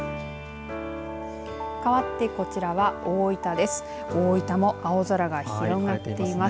かわってこちらは大分です。